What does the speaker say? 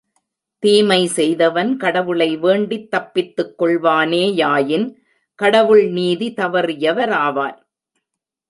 தீமை செய்தவன் கடவுளை வேண்டித் தப்பித்துக் கொள்வானே யாயின் கடவுள் நீதி தவறியவராவார்.